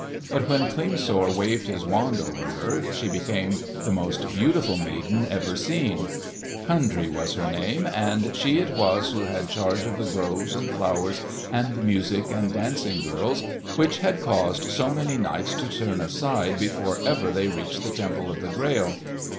But when Klingsor waved his wand over her she became the most beautiful maiden ever seen. Kundry was her name, and she it was who had charge of the groves and flowers and music and dancing girls which had caused so many knights to turn aside before ever they reached the Temple of the Grail.